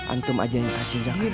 antum aja yang kasih zainu